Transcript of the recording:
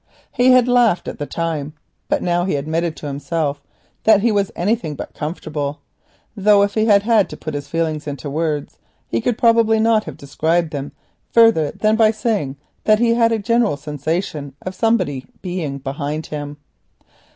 He had laughed at the time, but now he admitted to himself that he was anything but comfortable, though if he had been obliged to put his feelings into words he could probably not have described them better than by saying that he had a general impression of somebody being behind him.